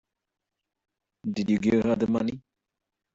Did you give her the money?